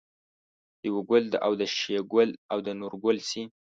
دېوه ګل او د شیګل او د نورګل سي